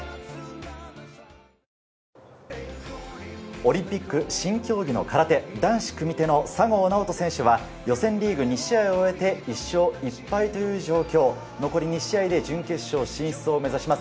オリンピック新競技の空手、男子組手の佐合尚人選手は予選リーグ２試合を終えて１勝１敗という状況、残り２試合で準決勝進出を目指します。